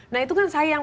nah itu kan sayang